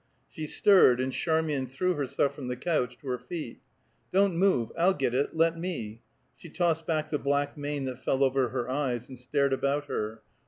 She stirred, and Charmian threw herself from the couch to her feet. "Don't move I'll get it let me " She tossed back the black mane that fell over her eyes and stared about her.